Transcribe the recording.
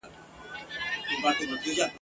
ویل زما پر وینا غوږ نیسۍ مرغانو !.